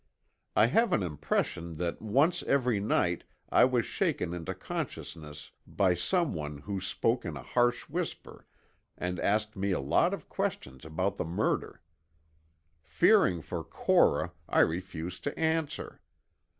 I have an impression that once every night I was shaken into consciousness by someone who spoke in a harsh whisper and asked me a lot of questions about the murder. Fearing for Cora, I refused to answer.